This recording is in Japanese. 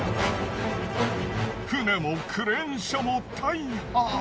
船もクレーン車も大破。